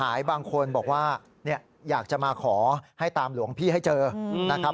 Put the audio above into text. หลายคนบอกว่าอยากจะมาขอให้ตามหลวงพี่ให้เจอนะครับ